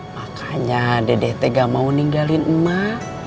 makanya dede teh nggak mau ninggalin emak